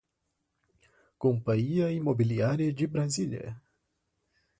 Companhia Imobiliária de Brasília